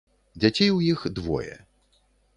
Дзяцей у іх двое.